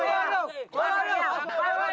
kau sudah diangkat